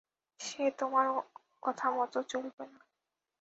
সে তোমার কথা মতো চলবে না।